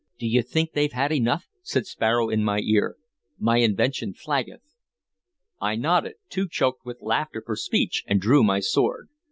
"D' ye think they've had enough?" said Sparrow in my ear. "My invention flaggeth." I nodded, too choked with laughter for speech, and drew my sword.